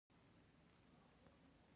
ساندرزه ته بل ګیلاس څښې، ته څه وایې؟